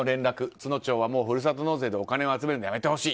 都農町は、もうふるさと納税でお金を集めるのやめてほしい。